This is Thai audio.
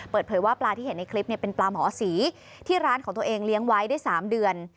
เปิดเผยว่าปลาที่เห็นในคลิปเป็นปลาหมอสีที่ร้านของตัวเองเลี้ยงไว้ได้๓เดือน